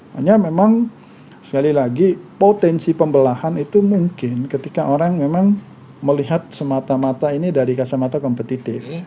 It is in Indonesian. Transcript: hanya memang sekali lagi potensi pembelahan itu mungkin ketika orang memang melihat semata mata ini dari kacamata kompetitif